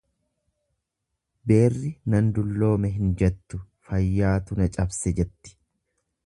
Beerri nan dulloome hin jettu, fayyaatu na cabse jetti.